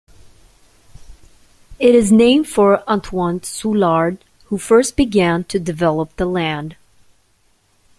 It is named for Antoine Soulard, who first began to develop the land.